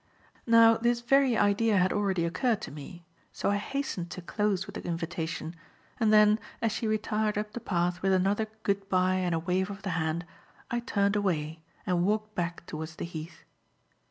Now this very idea had already occurred to me, so I hastened to close with the invitation; and then, as she retired up the path with another "good bye" and a wave of the hand, I turned away and walked back towards the Heath.